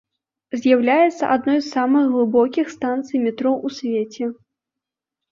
З'яўляецца адной з самых глыбокіх станцый метро ў свеце.